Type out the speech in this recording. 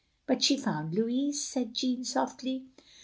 "But she found Louis," said Jeanne, softly.